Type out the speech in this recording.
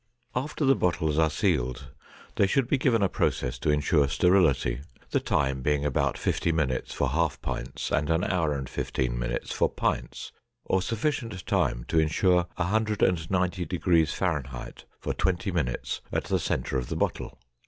After the bottles are sealed, they should be given a process to insure sterility, the time being about fifty minutes for half pints and an hour and fifteen minutes for pints—or sufficient time to insure 190 degrees F. for twenty minutes at the center of the bottle.